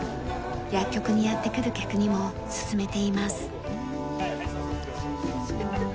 薬局にやって来る客にも勧めています。